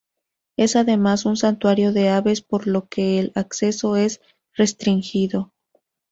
Es además un santuario de aves por lo que el acceso es restringido.